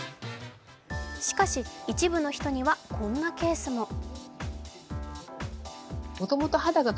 しかし、一部の人にはこんなケースも。